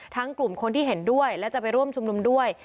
กลุ่มคนที่เห็นด้วยและจะไปร่วมชุมนุมด้วย